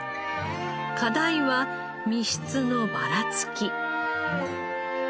課題は身質のばらつき。